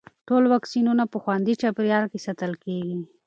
ټول واکسینونه په خوندي چاپېریال کې ساتل کېږي.